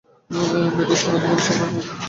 Mavis, তোমার জীবনের সেরা খবর আমি দিতে চলেছি।